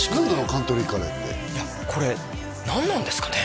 カントリーカレーってこれ何なんですかね？